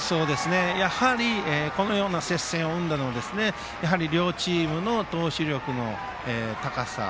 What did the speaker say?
やはり、接戦を生んだのは両チームの投手力の高さ。